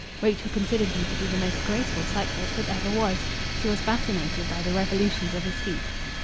Rachel considered him to be the most graceful cyclist that ever was. She was fascinated by the revolutions of his feet.